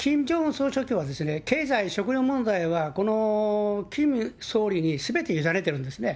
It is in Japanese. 総書記は経済、食料問題はこのキム総理にすべて委ねてるんですね。